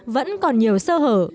vẫn còn nhiều sơ hở